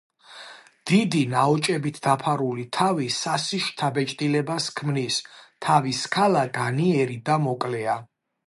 დიდი, ნაოჭებით დაფარული თავი საშიშ შთაბეჭდილებას ქმნის, თავის ქალა განიერი და მოკლეა.